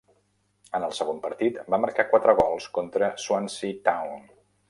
En el segon partit, va marcar quatre gols contra Swansea Town.